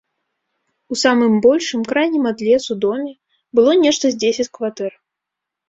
У самым большым, крайнім ад лесу, доме было нешта з дзесяць кватэр.